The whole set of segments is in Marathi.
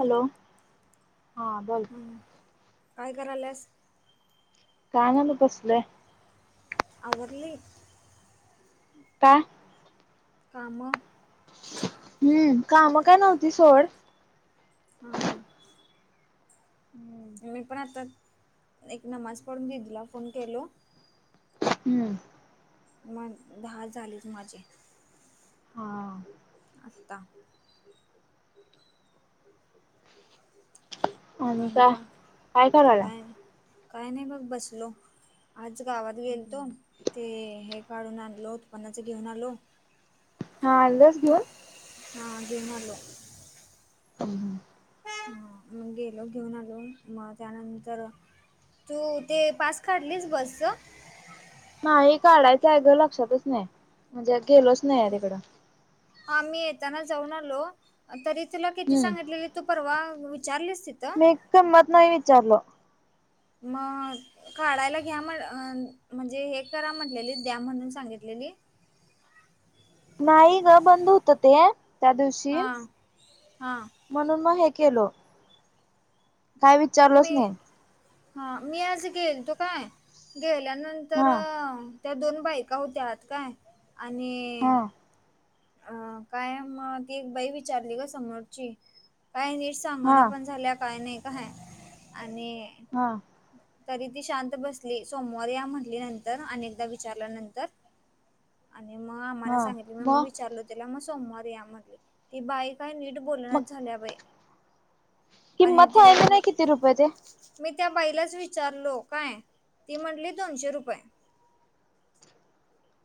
हॅलो, हा बोल काय कराल्यास? काय नाही बग, बसलोय. आवरलीस? काय? काम. हम्म काम काय नव्हती सोड. हा मी पण आता एक नमाज पडून, दिदीला फोन केलो. हम्म मग दहा झालेत माझे हा आता आणि काय काय कराला? काय नाही बघ बसलो, आज गावात गेलतो. ते हे काढून आनलो, उत्पन्नाचं घेऊन आलो. हा आणलस घेऊन? हा घेऊन आलो. हम्म हम्म हां मग गेलो घेऊन आलो, मग त्यानंतर तू ते पास काढलीस बसचं? नाही काढायचं आहे ग, लक्षातच नाही म्हणजे गेलोच नाही आहे तिकडं आा मी येताना जाऊन आलो, तरी तुला किती हम्म सांगितलेलीत? तू परवा विचारलीस तिथं? मी किंमत नाही विचारलो. मग काढायला घ्या म्ह म्हणजे, हे करा म्हटलेलीत द्या म्हणून सांगितलेलीत. नाही ग, बंद होत ते त्या दिवशी. हा म्हणून मग हे केलो. काय विचारलच मी नाही हा मी आज गेल तो काय गेल्यानंतर हा तर त्या दोन बायकाा होत्यात काय आणि हा अ काय मग ती एक बाई विचारली ग समोरची काय नि हा चांगणा पण झाल्या काय नाही का ह आणि हा. तरी ती शांत बसली सोमवार या म्हटली नंतर अनेकदा विचारल्यानंतर आणि मग आम्हाना सांगितले मग मग विचारल त्याला मग सोमवार या म्हटले. ती बाई काय नीट मग बोलण्यात झाल्या वय. आणि किंमत सांगितली तिच्यावर नाही किती रुपये ते मी त्या बाईलाच विचारलो काय ती म्हटली दोनशे रुपये.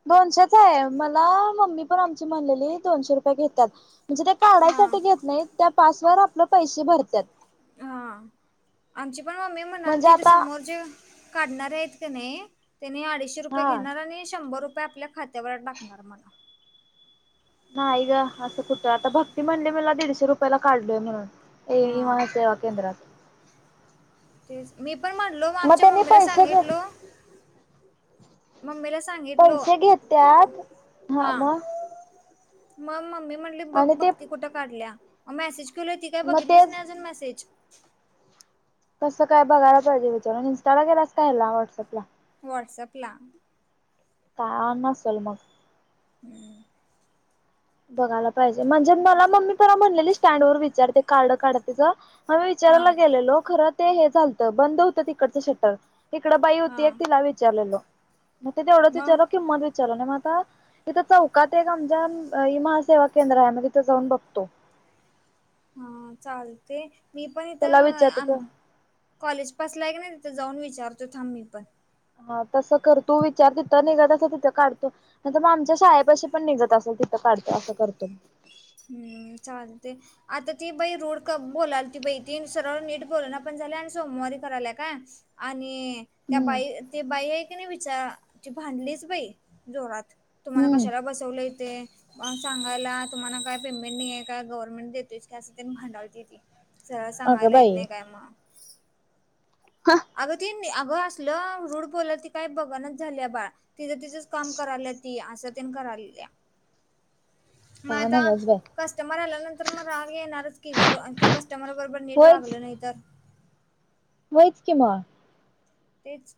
दोनशेच आहे मला मम्मी पण आमची म्हणलेली दोनशे रुपये घेतात. म्हणजे ते हा काढायसाठी घेत नाही त्या पासवर आपले पैसे भरतात. हा आमची पण मम्मी म्हणाल म्हणजे तिथ आता समोर जे काढणार आहेत का नाही त्याने अडीचशे रुपये हा घेणार आणि शंभर रुपये आपल्या खात्यावर टाकणार मला नाही ग असं कुठं आता भक्ती म्हणली मला दीडशे रुपयाला काढलोय म्हणून ए हा महसेेवा केंद्रात ते मी पण म्हटलो मग आमच्या त्यांनी मम्मीला पैसे घ सांगितलो. मम्मीला सांगितलो पैसे घेत्यात हा. मग मम्मी म्हटले बघ आणि ते भक्ती कुठं काढल्या मेसेज केल ती काय मग बघितलीच तेच नाही अजून मेसेज तस काय बघायला पाहिजे विचारून इंस्टा ला गला कायला व्हॉट्सअपला व्हॉट्सअप ला. कायणा सल मग हम्म. बघायला पाहिजे म्हणजे मला मम्मी प म्हणलेली स्टँड वर विचारते कार्ड काढतेच. म्ी हा विचारायला गेलेलो खरं ते हे झालतं बंद होतं तिकडचं शटर तिकडं बाई हा होती एक तिला विचारलेलो मग ते तेवढंच मग विचारलं कि म चल मग आता इथं चौकात एक आमच्या महा सेवा केंद्र आहे मग तिथे जाऊन बघतो. हा चालते मी पण त्याला इथं. विचारतो कॉलेज पासलाय क नाही तिथे जाऊन विचारतो थांब मी पण हा तसं कर तू विचारते त निघादाच तिथे काढतो. तर मग आमच्या शाळेपाशी पण निघत असेल तिथं काढतो असं करतो. चल ते आता ती बाई रूढ क बोलाल ती बा तीु सरा नीट बोोलना पण झाल्या आणि सोमवारी करायला का? आणि त्या हम्म बाई तेी बाई आहेक नाही विचारची भांडलीच बाई जोरात. तुम्हाला हम्म कशाला बसवलं येते म सांगायला तुम्हाला काय? पेमेंट नाही आहे का गव्हर्नमेंट देतो काी असं त्यां भांडावते ती सरळ अगं सांगायला येत बाई नाही काय मग हा. अगं ती अगं असलं रूड बोल ती काही बघनच झालीय बा तिचं तिथंच काम करायला त असं त कराय. मग काय आता नव्हच बाई कस्टमर आल्यानंतर मग राहावी येणारच की घर त्या कस्टमर ब पण नेट होयच वागलं नाही तर होयच कि मग तेच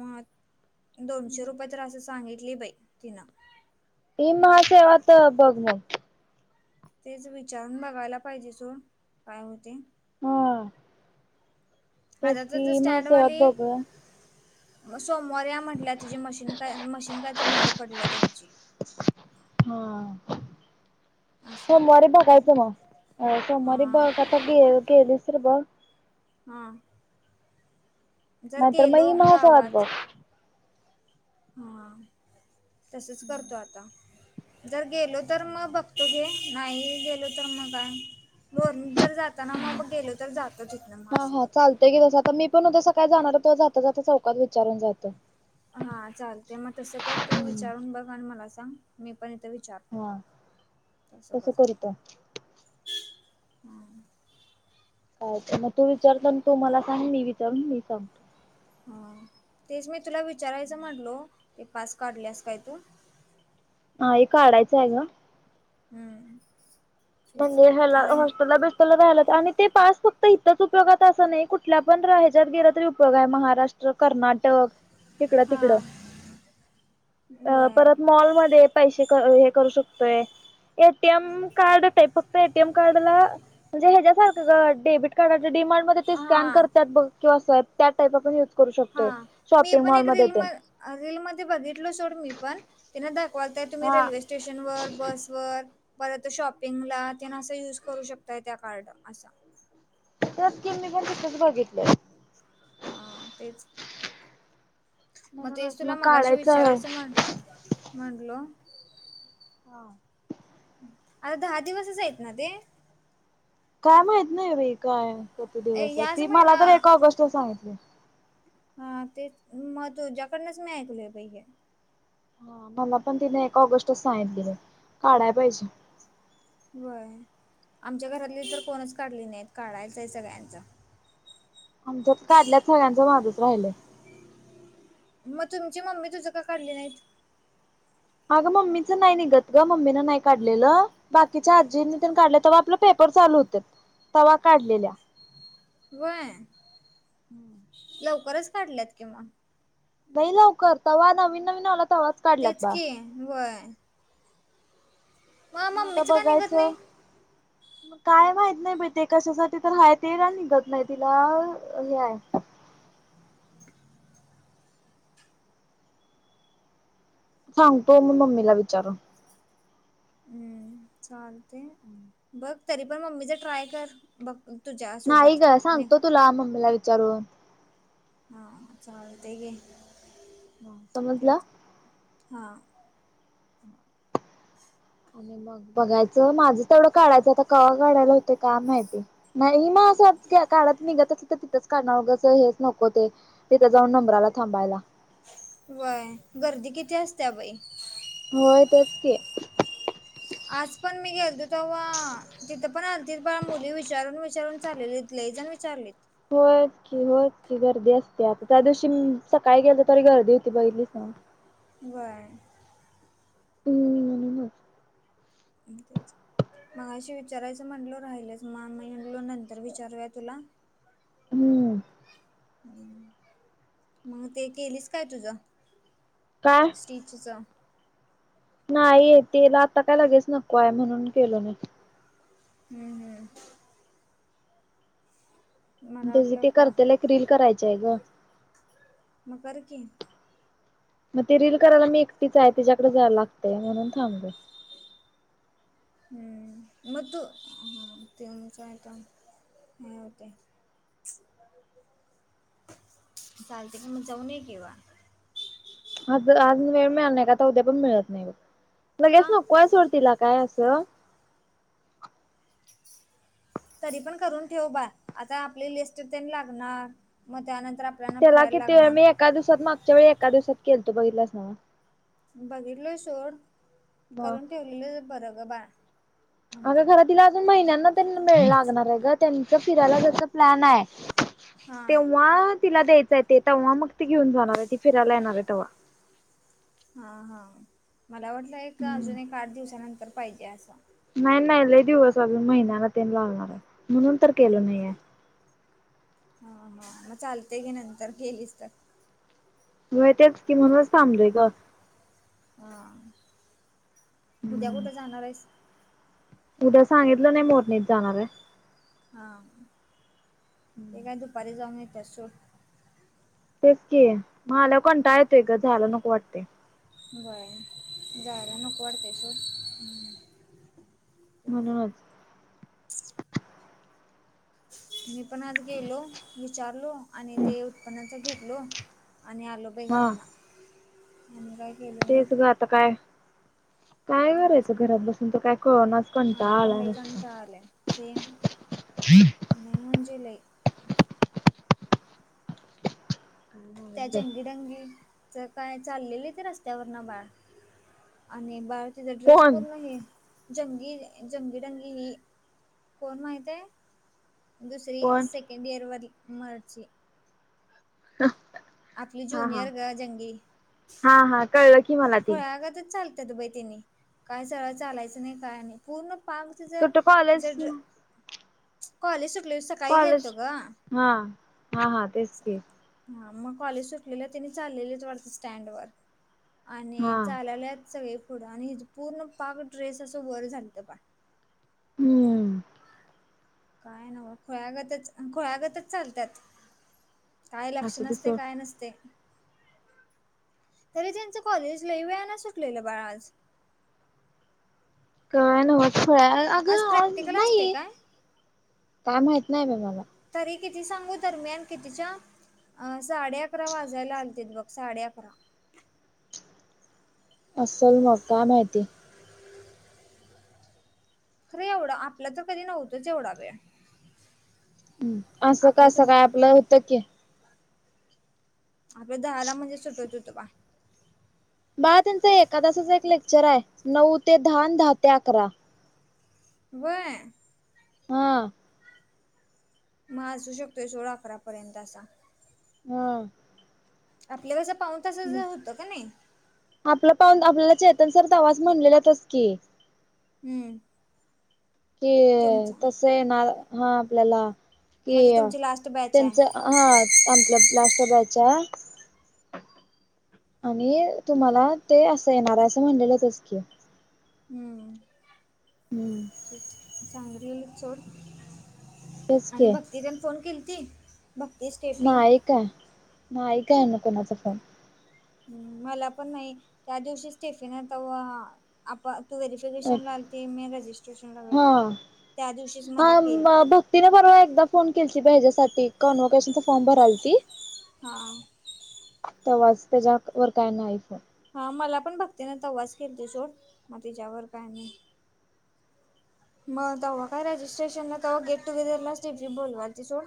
मग दोनशे रुपये तर असच सांगितली बाई तिनं ते मास आता बघ म तेच विचारून बघायला पाहिजे सोड काय होते? हा. आज तेच तर तर कि स्टँड महासेवात वली बघूया मग सोमवार या म्हटल्या तुझी मशीन काय मशीन काय तर बंद पडल्या त्यांची हा. असं सोमवारी बघायचं मग अ सोमवारी हां बघ केली तर बघ हा. नाहीतर बाई माझा हात बघ. हा तसच करते आता. जर गेलो तर मग बघते गो नाही गेलो तर मग काय? वो जर जाताना मग गेलो तर जातो येत नाही मग हा असं हा करतो. चालतंय आता मी पण उद्या सकाळी जाणार जाता जाता चौकात विचारून जातो. हा चालते मग तसं कर तू हम्म विचारून बघ आणि मला सांग मी पण इथं विचार हा तस करतो. हां अच्छ मग तू विचार मग तू मला सांग मी विचारून मी सांगतो. हा तेच मी तुला विचारायचं म्हटलो. ते पास काढल्यास काय तू? ताई काढायचं आहे ग हम्म म्हणजे याला हॉस्टेलला भेटेल [unintelligible] आणि ते पास फक्त इथच उपयोगात असं नाही. कुठल्या पण राज्यात गेलं तरी उपयोग आहे महा ते कर्नाटक तिकड तिकडं हां अ बर परत मॉलमध्ये पैसे अ हे करू शकतोय ए टी एम कार्ड फक्त एटीम कार्ड ला म्हणजे याच्यासारखं ग डेबिट कार्ड डी मा ते स्कॅन हां करतात किंवा त्या टाईप आपण युज करू हा शकतोय मी शॉपिंग पण मॉल एक रील मध्ये बघितलो सोड मी पण त्यांना दाखवताय. तुम्ही हा रेल्वे स्टेशनवर बस वर परत प शॉपिंगला तेन ला युज करू शकता त्या कार्ड अस. तेच कि मी पण तिथंच बघितलं हा तेच. मग म्हणूनच तेच तुला मगाशी काढायचं आहे विचारायचं म्हणलो हा आता दहा दिवसच आहेत ना ते? काय माहित नाही बाई. काय किती ए, दिवस. ह्याच ती मला महिना तर एक ऑगस्टला सांगितली. हा तेच मग तुझ्याकडनच मी ऐकलोय बाई हे मला पण तिने एक ऑगस्टच सांगितली बग. काढाय पाहिजे. होय. आमच्या घरातली तर कोणच काढली नाहीत. काढायचं आहे सगळ्यांच. आमच्यात काढल्यात सगळ्यांचं माझच राहिलंय! मग तुमची मम्मी तुझं का काढली नाहीत? अगं मम्मीचं नाही निघत ग मम्मीन नाही काढलेलं. बाकीच्या आजींनी त्यां काढल्या तव्हा आपले पेपर चालू हुते तव्हा काढलेल्या. व्हय. [unintelligible] लवकरच काढल्यात कि मग [inaudible] लवकर तव्हा नवीनवीन आल तव्हा तेच की वय मग आता मम्मीच का निघत नाही बघायचं? काय माहित नाही बई कशासाठी तर हाय तेला निघत नाही तिला हे आहे. सांगतो मी मम्मीला विचारून. हम्म चालते बघ तरी पण मम्मीच ट्राय कर बघ तुझ्या नाही सोबत ग नाही सांगतो तुला मम्मीला विचारून? हा चालते कि. ह समजल. हा-आ. आणि मग बघायचं माझं तेवढं काढायचं [inaudible] कवा काढायला होतय का माहिती नाही म [inaudible] काळात निघत अस [inaudible] तर तिथंच [unintelligible] कानावगसं हेच नको ते, तिथ जाऊन नंबराला थांबायला. व्हय गर्दी किती असते्या बाई. होय तेच की आज पण मी गेलतो, तेव्हा तिथं पण आलती बाया मुली विचारून-विचारून चाललेली लइ जण विचारलेत होय. की होय, कि गर्दी असते, आता त्या दिवशी मी सकाळी गेलं तरी गर्दी होती, बघलीस ना? व्हय. [unintelligible] हं. आणि काय चालाय? मगाशी विचारायचं म्हंटलो राहिलच, मगं आमी निगलो, नंतर विचारूया तुला हम्म [inaudible] मग ते केलीस काय तुझं? काय? स्टी च नाही तेला आता काय लगेच नकोय हाय म्हणून केलो नाय. हम्म हम्म. मला तेच वाटलं ते का करतेल ते एक रील करायचय ग. मग कर की. मग ते रील करायला मी एकटीच हाय, तिच्याकडे जाया लागतय म्हणून थांबले. हम्म, म तु हा [unintelligible] [unintelligible] ते [unintelligible] चालते की, मग जाऊन ये किवा आज जर, आज वेळ मिळाल नाय का आता उद्या पण मिळत नाय बग, लगेच का नकोय सोड तीला काय असं तरी पण करून ठेव बा, आता आपली लिस्ट तेन लागणार मग त्यानंतर आप त्याला किती वेळ मी एका दिवसात मागच्या वेळी एका दिवसात केलतो, बघितलास नाव बघितलोय सोड, करून ठेवलेलं बरं ग बा अग घरा तिल अजून महिन्यान त्यांना मेळ लागणार एग त्यांच फिरायला जायच प्लॅन ये हां तेव्हा तिला द्यायचय ते, तेव्हा मग ती घेऊन जाणार ऐय ती फिरायला येणार ए तेव्हा. हा हा मला वाटलं एक अजून, एक आठ दिवसानंतर पाहिजे असं. नाय-नाय लय दिवस अजून, महिन्याला ते लागणार हाय म्हणून तर केलं हम्म, नाहीये. हा हा मग चालत की नंतर गेलीस तर. व्हय तेच की, म्हणूनच थांबलोय ग. हा, उद्या हम्म. कुठ जाणारयेस? उद्या सांगितलं नाय मोरणीत जाणार एय. हा ते काय दुपारी जाऊ येतीया सोड तेच की मगला [unintelligible] कोण टा येतोय ग झायला नको वाटतय बरं झालं नको वाटतंय सोड म्हणूनच मी पण आज गेलो, विचारलो आणि ते उत्पन्नाचा घेतलो. आणि आलो बाई हा घरला आणि काय केलं नाय त काय? काय तेच करायचं घरात बसून तर काय कळ नाच, मला कंटाळला पण आलाय लय नुसता. कंटाळा [unintelligible] लई म्हणजे लय. त्या जंगीडंगीच काय चाललेली ते रस्त्यावर न बाळ आणि बाळाचे टर ड्रेस कोण पूर्ण हे जंगी-जंगीडंगी ही कोण माहित ये? दुसरी, कोण सेकंड इयर वाली मरची ह [unintelligible] आपली ज्युनियर ग जंगी हा हा कळलं की मला ती फळ ग तरच चालत त बै तिनी. काय सरायचचालायचं नाही काय नाही पूर्ण पाक कुठं कॉलेज तच कॉलेज सुटलं कॉलेज. हा, हा, हा‌. हा मग कॉलेज सुटलेलं तिने चाललेलीच वडस स्टँड वर. आणि हा चालल्यात सगळे पुढं आणि हिच पूर्ण पाक ड्रेस असं बर झालत बा. हम्म! काय नव्ह खोळगतच खोळगतच चालत्यात. काय लक्ष असू दे नसते सोड काय नसते. तरी त्यांचं कॉलेजला वेळान सुटलेलं बाळ आज. काय नवत फळ आज अगं प्रॅक्टिकल असते नाहीय काय काय माहित नाही ब मला. तरी किती सांगू दरम्यान कितीच्या, अ साडे अकरा वाजायला आलतेत बघ साडे अकरा. असल मग काय माहिती. खरं एवढं आपला तर कधी नव्हतंच एवढा वेळ. ह असं आपलं तर कसं काय आपलं होतं की. आपल्या दहाला म्हणजे सुटवत होतं बा. बाळ त्यांच एखका तासाच एक लेक्चर आहे नऊ ते दहा अन दहा ते अकरा. व्हय. हं. मग असू शकतोय सोड अकरा पर्यंत असा. हम्म! आपल्या कसं पाऊन तसाच होतं का नाही. आपलं पाऊन आपल्याला चेतन सर दवास म्हणलेल्या तस की, हम्म! कि तुमचा तस येणार हा आपल्याला कि म्हणजे तुमची लास्ट बॅच आहे त्यांच हा आपलं लास्ट बॅच आहे. आणि तुम्हाला ते असं एन आर आय अस म्हणलेलंच की. हम्म! हम्म! चांगली चोड तेच आणि की भक्ती त्यानी फोन केली ती? भक्ती स्टेफी का ना ऐकाय ना कोणाचा फोन. हम मला पण नाही त्या दिवशी स्टेफिनता. आप तू व्हेफिकेशन आलाते मी रजिस्ट हा त्या दिवशीच मला केलीति. तिने परवा एकदा फोन केली त पाहिज्यासाठी कन्व्होकेशनचा फॉर्म भरालती. हां. तवाज त्याच्या वर काय नाही फोन. हा मला पण भक्तीने तवास केली त सोड मग तिच्यावर काय नाही. मग तेव्हा काय रजिस्ट्रेशनला तेव्हा गेट टुगेदरला स्टफी बोलवाल ती सोड.